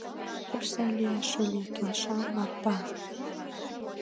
— Пеш сай лиеш ыле, — келша Марпа.